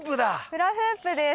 フラフープです。